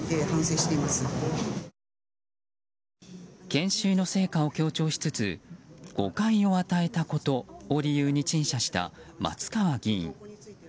研修の成果を強調しつつ誤解を与えたことを理由に陳謝した松川議員。